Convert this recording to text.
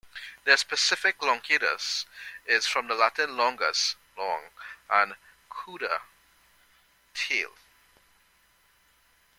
The specific "longicaudus" is from Latin "longus", "long", and "cauda", "tail".